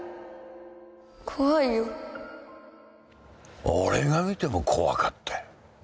怖いよ俺が見ても怖かったよ。